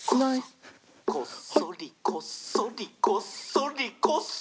「こっそりこっそりこっそりこっそり」